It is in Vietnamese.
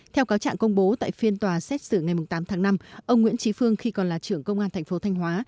theo cáo trạng công bố tại phiên tòa xét xử ngày tám tháng năm ông nguyễn trí phương khi còn là trưởng công an thành phố thanh hóa